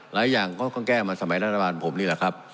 หลายอย่างก็ต้องแก้มาสมัยรัฐบาลผมนี่แหละครับ